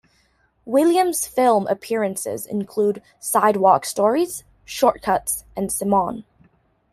Williams's film appearances include "Sidewalk Stories", "Short Cuts", and "Simone".